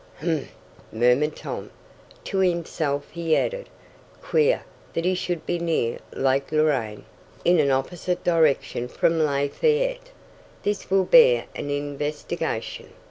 "Humph!" murmured Tom. To himself he added: "Queer that he should be near Lake Loraine, in an opposite direction from Lafayette. This will bear an investigation."